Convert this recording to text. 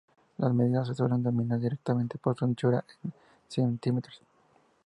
Las medidas se suelen denominar directamente por su anchura en cm.